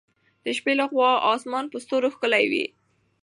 د شپې له خوا اسمان په ستورو ښکلی وي.